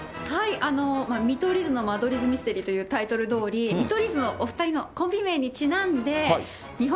見取り図の間取り図ミステリーというタイトルどおり、見取り図のお２人のコンビ名にちなんで、日本、